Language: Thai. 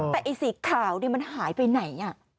แต่ไอ้สีขาวมันหายไปไหน